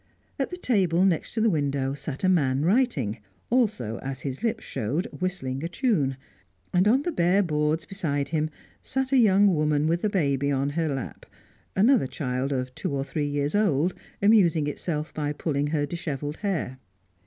At the table, next the window, sat a man writing, also, as his lips showed, whistling a tune; and on the bare boards beside him sat a young woman with her baby on her lap, another child, of two or three years old, amusing itself by pulling her dishevelled hair.